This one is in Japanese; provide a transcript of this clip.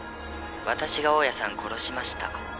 「私が大家さん殺しました。